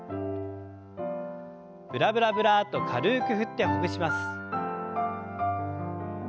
ブラブラブラッと軽く振ってほぐします。